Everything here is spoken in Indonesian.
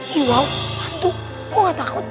kok gak takut